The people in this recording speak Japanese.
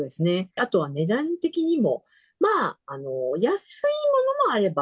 あとは値段的にもまあ、安いものもあれば、